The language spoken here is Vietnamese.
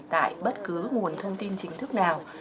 tại bất cứ nguồn thông tin chính thức nào